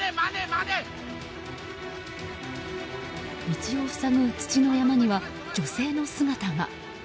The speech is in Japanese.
道を塞ぐ土の山には女性の姿が。